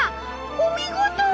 お見事！